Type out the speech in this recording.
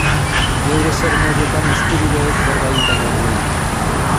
Geure sermoietan eskubideez berba egiten genuen.